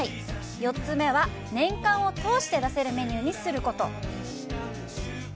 ４つ目は、年間を通して出せるメニューにすること。